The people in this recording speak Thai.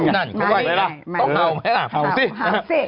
นั่นเขาว่าต้องห่าวไหมล่ะห่าวสิ